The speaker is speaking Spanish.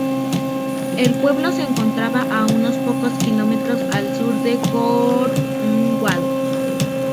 El pueblo se encontraba a unos pocos kilómetros al sur de Cornwall.